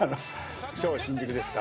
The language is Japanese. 超新塾ですか。